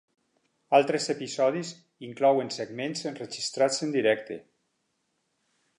Altres episodis inclouen segments enregistrats en directe.